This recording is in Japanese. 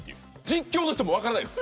実況の人もわからないです。